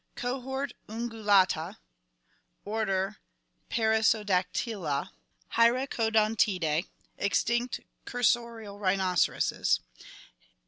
Cohort Ungulata. Order Perissodactyla. Hyracodontidae. Extinct cursorial rhinoceroses.